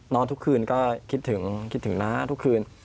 นอนทุกคืนก็คิดถึงน้าทุกคืน